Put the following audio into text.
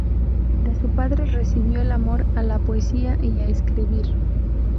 De su padre recibió el amor a la poesía y a escribir.